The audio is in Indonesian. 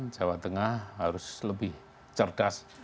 jawa tengah harus lebih cerdas